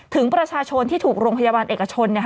ถึงประชาชนที่ถูกโรงพยาบาลเอกชน